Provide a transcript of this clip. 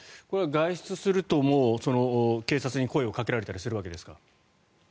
これは外出すると警察に声をかけられたりするわけですか？